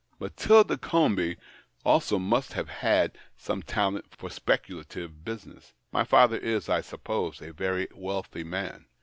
" Matilda Comby also must have had some talent for speculative business. My father is, I suppose, a very wealthy man.